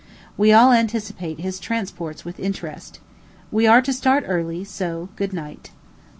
We all anticipate his transports with interest. We are to start early; so good night.